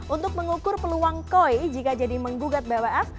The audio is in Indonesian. untuk mengukur peluang koi jika jadi menggugat bwf